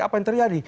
apa yang terjadi